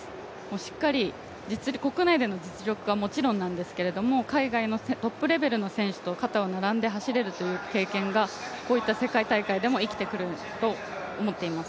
しっかり、国内での実力はもちろんなんですけど海外のトップレベルの選手と肩を並べて走るという経験がこういった世界大会でも生きてくると思っています。